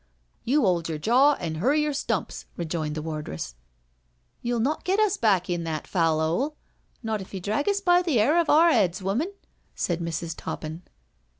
" You hold yer jaw and hurry yer stumps," rejoined the wardress. " You'll not get us back to that foul hole, not if you CANTERBURY TALES 123 drag us by the 'air of our *eads, woman I*' said Mrs. Toppin.